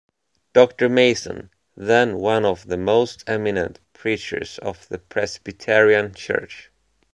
Doctor Mason, then one of the most eminent preachers of the Presbyterian Church.